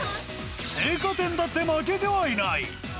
青果店だって負けてはいない。